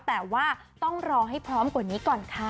แต่ว่าต้องรอให้พร้อมกว่านี้ก่อนค่ะ